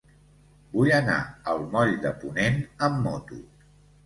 Vull anar al moll de Ponent amb moto.